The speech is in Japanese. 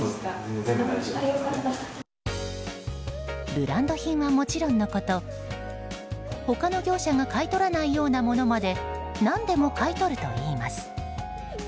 ブランド品はもちろんのこと他の業者が買い取らないようなものまで何でも買い取るといいます。